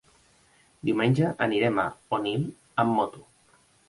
Diumenge anirem a Onil amb moto.